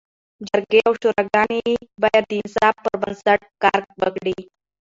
جرګي او شوراګاني باید د انصاف پر بنسټ کار وکړي.